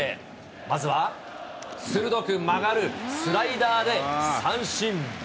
まずは、鋭く曲がるスライダーで三振。